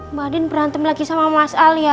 mbak andin berantem lagi sama mas al ya